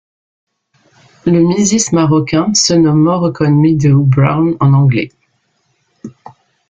Le Misis marocain se nomme Moroccan Meadow Brown en anglais.